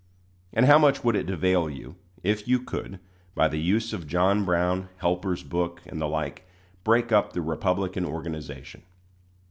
And how much would it avail you, if you could, by the use of John Brown, Helper's Book, and the like, break up the Republican organization?